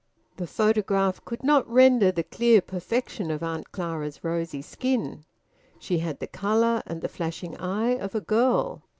The photograph could not render the clear perfection of Aunt Clara's rosy skin; she had the colour and the flashing eye of a girl.